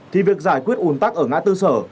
thì việc giải quyết ủn tắc ở ngã tư sở